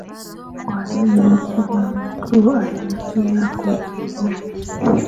Kwa hiyo kila mtu alingia kwenye boti